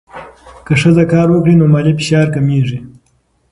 که ښځه کار وکړي، نو مالي فشار کمېږي.